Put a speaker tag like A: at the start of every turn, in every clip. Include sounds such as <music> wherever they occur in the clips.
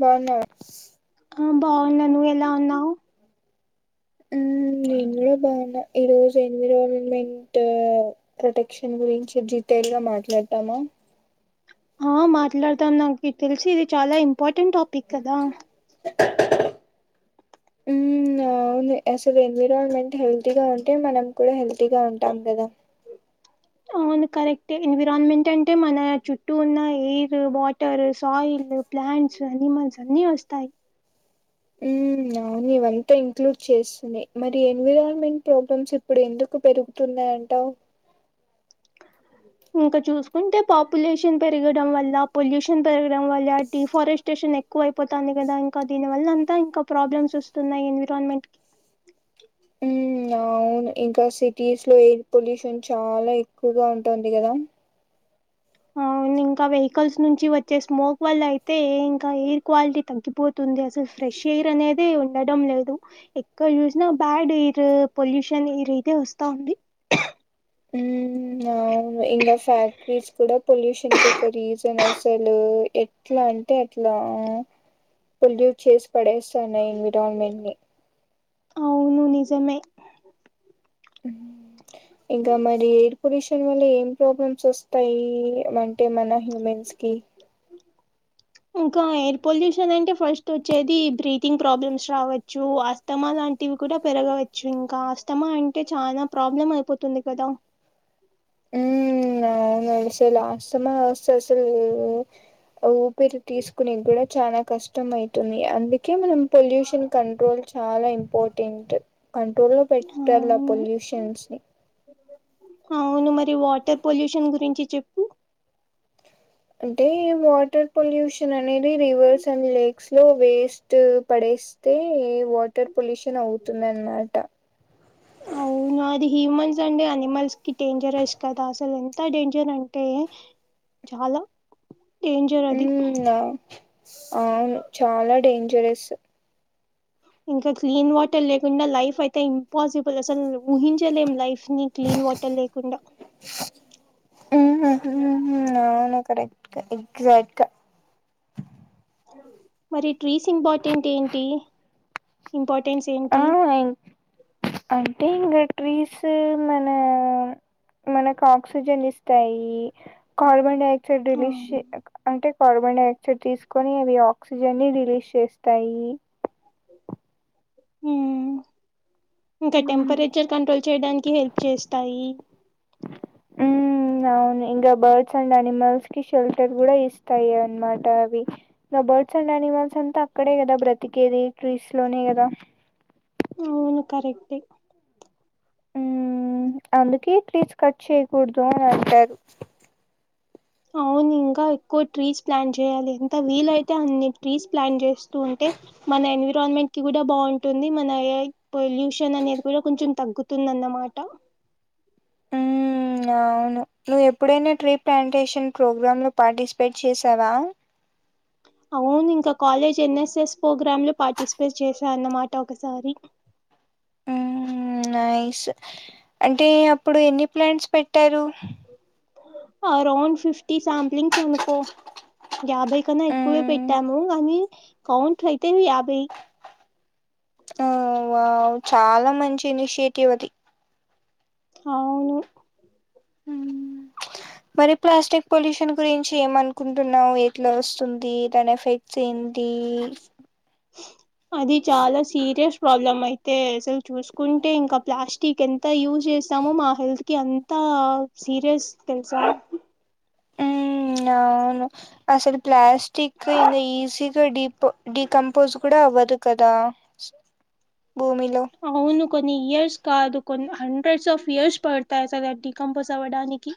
A: బావున్నావా స్.
B: ఆ బావున్న ను ఎలా ఉన్నావు.
A: <unintelligible> బయంలే ఈ రోజు ఎన్విరాల్మెం ట్. ప్రొటెక్షన్ గురించి జిటేల్ గా మాట్లాడతామా.
B: ఆ మాట్లాడతనామ్ నాకి తెలిసి ఇది చాలా ఇంపార్టెంట్ టాపిక్ కదా.
A: అవున్లే అసలు ఎన్విరాన్మెంట్ హెల్తీగా ఉంటే మనం కూడా హెల్తీగా ఉంటాం కదా.
B: అవును కరెక్టే ఎన్విరాన్మెంట్ అంటే మనా చుట్టూ ఉన్నా air, water, soil plants, animals అన్నీ వస్తాయి.
A: మ్మ్ అవును ఇవంతా ఇంక్లూడ్ చేస్తుందే మరి ఎన్విరాన్మెంట్ ప్రాబ్లమ్స్ ఇప్పుడు ఎందుకు పెరుగుతున్నాయ్ అంటావ్.
B: ఇంకా చూసుకుంటే పాపులేషన్ పెరగడం వల్లా, పొల్యూషన్ పెరగడం వల్లా, డిఫారెస్టేషన్ ఎక్ క్కువై పోతాంది కదా ఇంకా దీని వల్ల అంతా ఇంకా ప్రాబ్లమ్స్ వస్తున్నాయి ఎన్విరాన్మెంట్ కి.
A: నావును ఇంకా సిటీస్ లో ఎయిర్ పొల్యూషన్ చాలా ఎక్కువగా ఉంటోంది గదా.
B: అవును ఇంకా వెహికల్స్ నుంచి వచ్చే స్మోక్ వల్లా అయితే ఇంకా ఎయిర్ క్వాలిటీ తగ్గిపోత్ తుంది అసలు ఫ్రెష్ ఎయిర్ అనేదే ఉండడం లేదు. ఎక్కడ చూశినా బ్యాడ్ ఎయిరూ, పొల్యూషన్ ఎయిర్ ఇదే వస్తా ఉంది.
A: ఊ నవును ఇంకా ఫ్యాక్టరీస్ కూడా పొల్యూషన్ కి ఒక రీజన్ అసలూ ఎట్ ట్లా అంటే అట్లా పొల్యూట్ చేశి పడేస్తున్నాయి ఎన్విరాన్మెంట్ ని
B: అవును నిజమే
A: హు ఇంకా మరి ఎయిర్ పొల్యూషన్ వల్ల ఏం ప్రాబ్లమ్స్ వస్త్ త్తాయి అంటే మన హ్యూమెన్స్ కి
B: ఇంకా ఎయిర్ పొల్యూషన్ అంటే ఫస్ట్ వచ్చేదీ బ్రీతింగ్ ప్రాబ్లమ్స్ రావచ్చూ ఆస్త్ తమా లాంటివి కూడా పెరగవచ్చు ఇంకా ఆస్తమా అంటే చానా ప్రాబ్లం అయిపోతుంది కదా.
A: ఊ అవును అసల్ ఆస్తమా వస్తే అసల్ ఒ ఆ ఊపిరి తీసుకునేకి గూడా చానా కష్టం అయితుంది అందుకే మనం పొల్యూషన్ కంట్రోల్ చాలా ఇంపార్టెంట్. కంట్రోల్ లో పెట్టాల
B: అవును
A: పొల్యూషన్స్ ని
B: అవును మరి వాటర్ పొల్యూషన్ గురించి చెప్
A: అంటే వాటర్ పొల్యూషన్ అనేది రివర్స్ అండ్ లేక్స్ లో వేస్టు పడేస్ స్తే వాటర్ పొల్యూషన్ అవుతుంది అన్మాట.
B: అవునా అది హ్యూమన్స్ అంటే అనిమల్స్ కి డేంజరస్ కదా అసలు ఎంతా డేంజర్ అంటే. చాలా డేంజర్ అది
A: ఊ ఆ అవును చాలా డేంజరస్.
B: ఇంకా క్లీన్ వాటర్ లేకుండా లైఫ్ అయితే ఇంపాసిబుల్ అసలు ఊహించలేం లైఫ్ ని. క్లీన్ వాటర్ లేకుండా
A: ఊ ఉహ్ ఊ అవును కరెక్టె ఎక్జాట్గా.
B: మరి ట్రీస్ ఇంపార్టెంట్ ఏంటి ఇంపార్టెన్స్
A: ఆ
B: ఏంటి.
A: ఇం- అంటే ఇంగా ట్రీసూ మనా. మనకు ఆక్సిజన్ ఇస్తాయీ కార్బన్ డైఆక్సైడ్
B: ఆ
A: రిలీజ్ అంటే కార్బన్ డైఆక్సైడ్ తీసుకొని అవి ఆక్సిజన్ని రిలీజ్ చేస్తాయీ.
B: ఊ ఇంకా టెంపరేచర్ కంట్రోల్ చేయడానికి హెల్ప్ చేస్తాయి.
A: ఊ అవును ఇంగా బర్డ్స్ అండ్ ఆనిమల్స్ కి షెల్టర్ కూడా ఇస్తాయి అన్మాట అవి. గ బార్డ్స్ అండ్ యానిమల్స్ అంతా అక్కడే కదా బ్రతికేది ట్రీస్ లోనే గదా.
B: అవును కరెక్టే
A: ఊ హు అందుకే ట్రీస్ కట్ చెయ్యకూడదు అని అంటారు.
B: అవును ఇంకా ఎక్కువ ట్రీస్ ప్లాన్ చేయాలి ఎంత వీలైతే అన్ని ట్రీస్ ప్లాన్ జేస్తూ ఉంటే. మన ఎన్విరాన్మెంట్ కి కూడా బాగుంటుంది మన ఏర్ పొల్యూషన్ అనేది కూడా కొంచెం తగ్గు. తిన్దన్నమాట
A: ఉ అవును నువ్వు ఎప్పుడైనా ట్రీ ప్లాంటేషన్ ప్రోగ్రామ్ లో పార్టిసిపేట్ చేసావా
B: అవును ఇంకా కాలేజ్ ఎన్ఎస్ఎస్ ప్రోగ్రామ్ లో పార్టిసిపేట్ చేశాన్నమాట ఒకసారి
A: ఉమ్ నైస్ అంటే అప్పుడు ఎన్ని ప్లాంట్స్ పెట్టారు
B: అరౌండ్ ఫిఫ్టీ సాంప్లింగ్స్ అనుకో యాభై కన్నా ఎక్కువే
A: ఉమ్
B: పెట్టాము కానీ కౌంట్ అయితే యాభై
A: ఓ వావ్ చాలా మంచి ఇనిషియేటివ్ అది
B: అవును
A: హు మరి ప్లాస్టిక్ పొల్యూషన్ గురించి ఏమన్ కుంటున్నావ్ ఎట్లా వస్తుంది దాని ఎఫెక్ట్స్ ఏంటి
B: అది చాలా సీరియస్ ప్రాబ్లం అయితే అసలు చూసుకుంటే ఇంకా ప్లాస్టిక్ ఎం త యూజ్ చేస్తామో మా హెల్త్ కి అంతా సీరియస్ తెలుసా
A: ఉ అవును అసలు ప్లాస్టిక్ ఇంగ ఈజీ గ డిపో డికంపోజ్ కూడా అవ్వదు కదా భూమిలో
B: అవును కొన్ని ఇయర్స్ కాదు కొన్ని హండ్రెడ్స్ ఆఫ్ ఇయర్స్ పడతాయి సార్ డికంపోజ్ అవ్వడానికి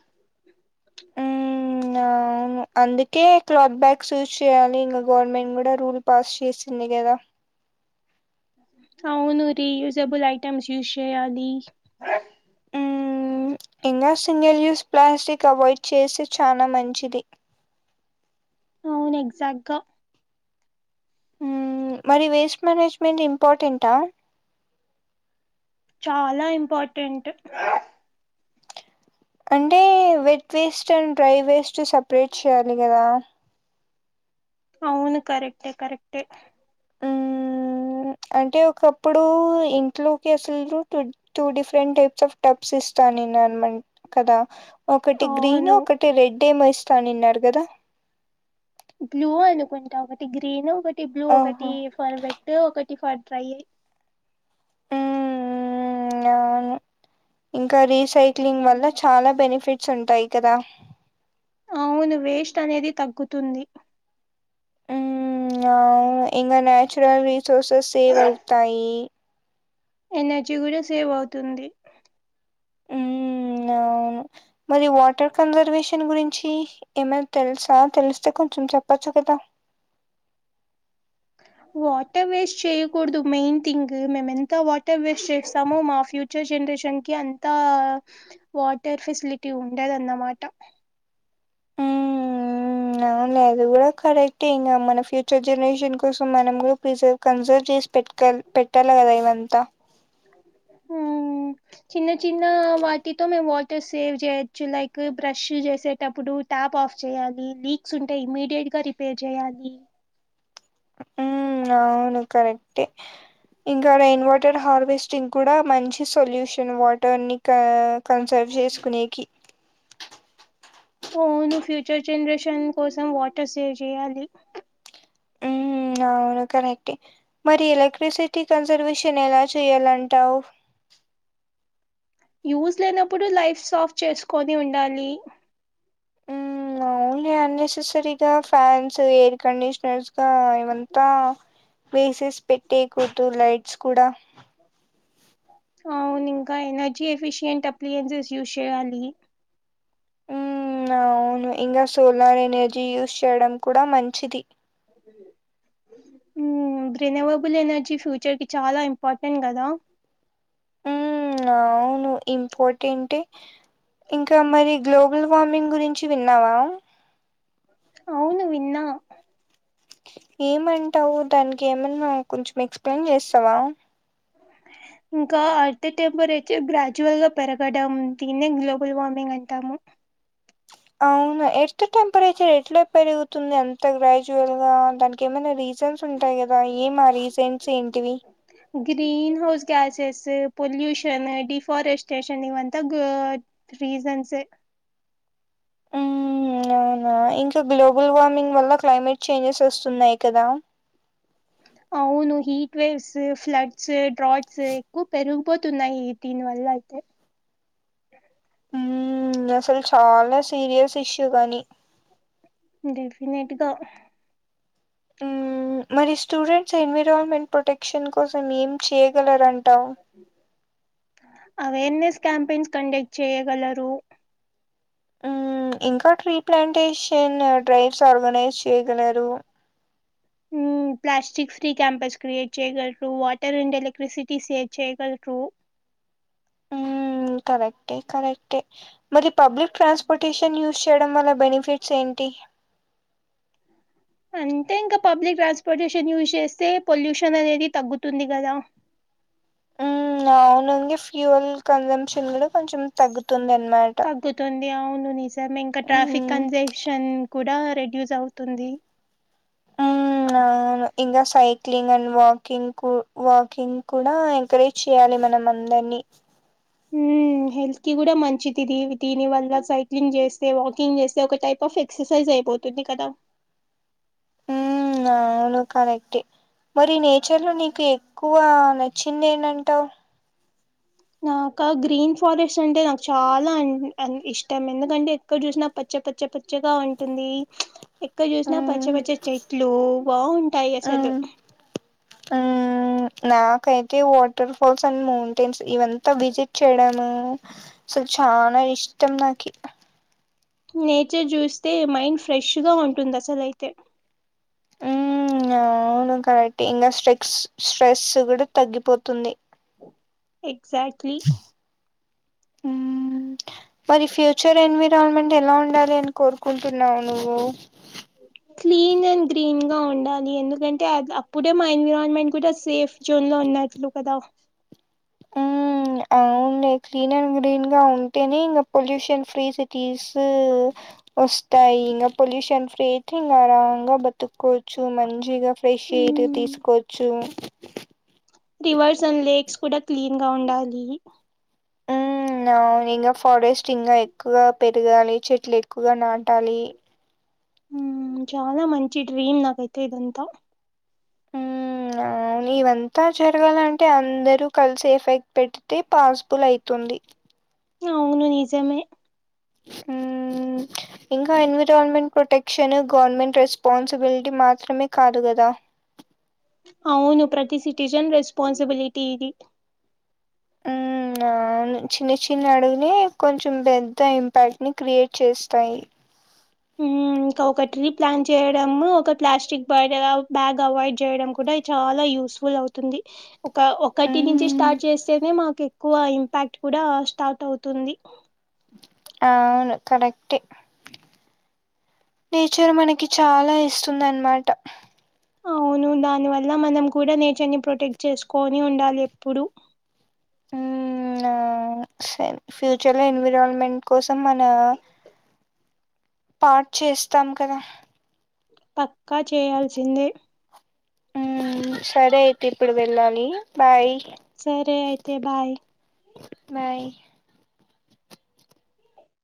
A: మ్మ్ అవును అందుకే క్లాత్ బ్యాగ్స్ యూస్ చేయాలి ఇంగ గవర్నమెంట్ కూడా రూల్ పాస్ చేసింది కదా
B: అవును రీయుజబుల్ ఐటెమ్స్ యూస్ చేయాలి
A: ఇంకా సింగిల్ యూస్ ప్లాస్టిక్ అవాయిడ్ చేసి చానా మంచిది
B: అవును ఎగ్జాక్ట్ గా
A: మరి వేస్ట్ మేనేజ్మెంట్ ఇంపార్టెంటా
B: చాలా ఇంపార్టెంట్
A: అంటే wet waste and dry waste separate చేయ్యాలి కదా
B: అవును కరెక్టే కరెక్టే
A: ఉ అంటే ఒకప్పుడు ఇంట్లోకి అసలు two different types of tubs ఇస్తాను నేను అన్మా కదా ఒకటి గ్రీన్
B: అవును
A: ఒకటి రెడ్ ఏమో ఇస్తానిన్నారు గదా
B: బ్లూ అనుకుంటా ఒకటి గ్రీన్ ఒకటి బ్లూ
A: ఓహో
B: ఒకటి ఫర్ వెట్ ఒకటి ఫర్ డ్రై
A: మ్మ్ అవును ఇంకా రీసైక్లింగ్ వల్ల చాలా బెనిఫిట్స్ ఉంటాయి కదా
B: అవును వేస్ట్ అనేది తగ్గుతుంది
A: ఉమ్ అవును ఇంగ న్యాచురల్ రిసోర్సెస్ సేవ్ అవుతాయి
B: ఎనర్జీ కూడా సేవ్ అవుతుంది
A: ఉమ్ అవును మరి వాటర్ కన్జర్వేషన్ గురించి ఏమైన్ తెలుసా తెలిస్తే కొంచెం చెప్పచ్చు కదా
B: వాటర్ వేస్ట్ చేయకూడదు మెయిన్ థింగ్ మేము ఎంత వాటర్ వేస్ట్ చేస్తామో మా ఫ్యూ ఫ్యూచర్ జనరేషన్ కి అంతా వాటర్ ఫెసిలిటీ ఉండదన్నమాట
A: అవును అది కూడా కరెక్టే ఇంగ మన ఫ్యూచర్ జనరేషన్ కోసం మనం కూడా ప్రిజ కంజోర్ చేస్ పెట్కల్ పెట్టలగాద ఇవ్వంత
B: ఉ చిన్న చిన్న వాటితో మేము సేవ్ చేయొచ్చు లైక్ బ్రష్ చేసేటప్పుడు ట్యాప్ ఆఫ్ చేయాలి లీక్స్ ఉంటేయి ఇమీడియట్ గా రి పేర్ చేయాలి
A: ఉమ్ అవును కరెక్టే ఇంకా రైన్ వాటర్ హార్వెస్టింగ్ కూడా మంచి సొల్యూషన్ వాటర్ నిక పంచాజ్ చేసుకునేకి
B: ఓ నువ్ ఫ్యూచర్ జనరేషన్ కోసం వాటర్ సేవ్ చేయాలి
A: ఉ అవును కరెక్టే మరి ఎలక్ట్రిసిటీ కాన్సర్వేషన్ ఎలా చేయాలంటావు
B: యూస్ లేనప్పుడు లైట్స్ హాఫ్ చేసుకొని ఉండాలి
A: అవున్లే అన్నెసెసరీగా ఫ్యాన్స్ ఎయిర్ కండిషనర్స్గా ఇవంతా వేసెస్ పెట్టే కుడుదు లైట్స్ కూడా
B: అవును ఇంకా ఎనర్జీ ఎఫిషియెంట్ అప్లియెన్సెస్ యూస్ చేయ్యాలి
A: మ్మ్ అవును ఇంకా సోలార్ ఎనర్జీ యూజ్ చేయడం కూడా మంచిది
B: ఉ రినెవబుల్ ఎనర్జీ ఫ్యూచర్ కి చాలా ఇంపార్టెంట్ కదా
A: ఆవును ఇంపార్టెంటే ఇంకా మరి గ్లోబల్ వార్మింగ్ గురించి విన్నావా
B: అవును విన్నా
A: ఏమంటావు దానికి ఏమన్నా కొంచెం ఎక్స్ప్లెయిన్ చేస్తావా
B: ఇంకా అర్త్ టెంపరేచర్ గ్రాజువల్ గా పెరగడం తీన్నే గ్లోబల్ వార్మింగ్ అంటాము
A: అవును ఎర్త్ టెంపరేచర్ ఎట్లా పెరుగుతుంది అంత గ్రాజ్యువల్ గా దానికి ఏమన్నా రీజ సన్స్ ఉంటాయి కదా ఏం ఆ రీసంట్స్ ఏంటివి
B: green house gases pollution deforestation ఇవంతా గో రీజన్సే
A: ఉమ్మ్ అవునా ఇంట్లో గ్లోబుల్ వార్మింగ్ వల్ల క్లైమేట్ చేంజెస్ వస్తున్నాయి కదా
B: అవును హీట్ వేవ్స్ ఫ్లడ్స్ డ్రాట్స్ ఎక్కువ పెరిగిపోతున్నాయి దీని వల్ల అయితే
A: ఊమ్ అసలు చాలా సీరియస్ ఇష్యూ గానీ
B: డెఫినెట్ గా
A: మ్మ్ మరి స్టూడెంట్స్ ఎన్విరాన్మెంట్ ప్రొటెక్షన్ కోసం ఏం చెయ్యగలరంటావ్
B: అవేర్నెస్ క్యాంపైన్స్ కండక్ట్ చేయగలరు
A: ఊ ఇంకా ట్రీ ప్లాంటేషన్ డ్రైవ్స్ ఆర్గనైజ్ చేయ్యగలరు
B: ఊ ప్లాస్టిక్ ఫ్రీ క్యాంపస్ క్రియేట్ చేయగలరు వాటర్ అండ్ ఎలక్ట్రిసిటీ సేవ్ చేయగలరు
A: మ్మ్ కరెక్టే కరెక్టే మరి పబ్లిక్ ట్రాన్స్పోర్టేషన్ యూస్ చేయడం వల్ల బెనిఫిట్స్ ఏంటి
B: అంతే ఇంక పబ్లిక్ ట్రాన్స్పోర్టేషన్ యూజ్ చేస్తే పొల్యూషన్ అనేది తగ్గుతుంది కదా
A: ఊ అవునంగి ఫ్యూయల్ కన్జంప్షన్ కూడా కొంచెం తగ్గుతుంది అన్నా
B: తుతుంది అవును నిజమే ఇంకా ట్రాఫిక్
A: మ్మ్
B: కంజెషన్ కూడా రెడ్యూస్ అవుతుంది
A: ఉమ్ అవును ఇంకా సైక్లింగ్ అండ్ వాకింగ్ కూ వాకింగ్ కూడా ఎంకరేజ్ చెయ్యాలి మనం అందరినీ
B: ఉమ్ హెల్త్ కి కూడా మంచిది దీని దిని వల్ల సైక్లింగ్ చేస్తే వాకింగ్ చేస్తే ఒక టైప్ ఆఫ్ హె ఎక్ససైజ్ అయిపోతుంది కదా
A: ఉమ్మ్ అవును కరెక్టే మరి నేచర్ లో నీకు ఎక్కువ నచ్చింది ఏండుటావు
B: నాకా గ్రీన్ ఫారెస్ట్ అంటే నాకు చాలా <unintelligible> ఇష్టం ఎందుకంటే క్కడ చూసినా పచ్చ పచ్చ పచ్చగా ఉంటుంది ఎక్కడ చూసినా పచ్చ
A: ఉమ్
B: పచ్చ చెట్లు బావుంటాయి అసలు
A: ఆ ఊ నాకైతే వాటర్ ఫాల్స్ అండ్ మౌంటైన్స్ ఇవంతా విజిట్ చేయడాను సో చానా ఇష్టం నాకి
B: నేచర్ జూస్తే మైండ్ ఫ్రెష్ గా ఉంటుంది అసలు అయితే
A: ఊ అవును కరెక్టే ఇంకా స్ట్రెక్స్ స్ట్రెస్ కూడా తగ్గిపోతుంది
B: ఎగ్సాట్రీ
A: ఉమ్ మరి ఫ్యూచర్ ఎన్విరాన్మెంట్ ఎలా ఉండాలి అని కోరుకుంటున్నావు నువ్వు
B: క్లీన్ అండ్ గ్రీన్ గా ఉండాలి ఎందుకంటే అప్పుడే మా ఎన్విరాన్మెంట్ కూడా సేఫ్ జోన్ లో ఉన్నట్లు కదా
A: మ్మ్ అవునులే క్లీన్ అండ్ గ్రీన్ గా ఉంటేనే ఇంకా పొల్యూషన్ ఫ్రీ సిటీస్ వస్తాయి ఇంకా పొల్యూషన్ ఫ్రీ ఇంగ ఆరాంగా బతుకోవచ్చు మంచిగా ఫ్రెష్ ఎయిర్
B: హ్మ్
A: తీసుకోవచ్చు
B: రివర్స్ అండ్ లేక్స్ కూడా క్లీన్ గా ఉండాలి
A: ఇంగ ఇంగ ఫారెస్ట్ ఇంగ ఎక్కువగా పెరగాలి చెట్లు ఎక్కువగా నాటాలి
B: ఉ చానా మంచి డ్రీమ్ నాకైతే ఇదంతా
A: మ్మ్ అవును ఇవంతా జరగాలంటే అందరూ కలిసి ఎఫైక్ట్ పెడితే పాస్బుల్ అయుతుంది
B: అవును నిజమే
A: మ్మ్ ఇంకా ఎన్విరాన్మెంట్ ప్రొటెక్షన్ గవర్నమెంట్ రెస్పాన్సిబిల్టీ మాత్రమే కాదు కదా
B: అవ్ను ప్రతి సిటిజన్ రెస్పాన్సిబిలిటీ ఇది
A: మ్మ్ అవును చిన్న చిన్న అడుగులే కొంచెం పెద్ద ఇంపాక్ట్ని క్రియేట్ చేస్తాయి
B: ఉమ్ ఇంకా ఒక ట్రీ ప్లాన్ చేయడము ఒక ప్లాస్టిక్ బ్యాడ బ్యాగ్ అవాడ్ చేయడం కూడా చాలా యూస్ఫులవుతుంది ఒక ఒకటి నుంచి
A: మ్మ్
B: స్టార్ట్ చేస్తేనే మనకెక్కువ ఇంపాక్ట్ కూడా స్టార్ట్ అవుతుంది
A: ఆవ్ను కరక్టే నేచర్ మనకి చాలా ఇస్తుంది అన్మాట
B: అవ్ను దాని వల్ల మనం కూడా నేచర్ని ప్రొటెక్ట్ చేస్కొని ఉండాలి ఎప్పుడు
A: ఉమ్మా ఒ సరే ఫ్యూచర్లో ఎన్విరాల్మెంట్ కోసం మనా స్టాట్ చేస్తాం కదా
B: పక్కా చేయాల్సిందే
A: ఉహ్ సరే అయితే ఇప్పుడు వెళ్ళాలి బాయ్
B: సరే అయితే బాయ్
A: బాయ్